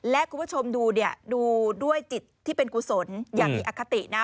และคุณผู้ชมดูเนี่ยดูด้วยจิตที่เป็นกุศลอย่างมีอคตินะ